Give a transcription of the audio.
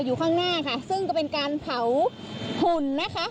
อยู่ข้างหน้าค่ะซึ่งก็เป็นการเผาหุ่นนะคะ